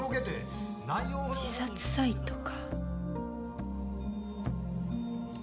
自殺サイトか。